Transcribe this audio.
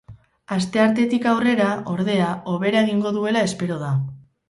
Asteartetik aurrera, ordea, hobera egingo duela espero da.